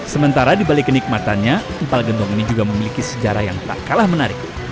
sementara di balik kenikmatannya empal gentong ini juga memiliki sejarah yang tak kalah menarik